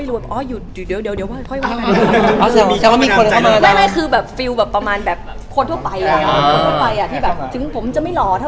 แล้วต้องดูเยอะขึ้นมั้ย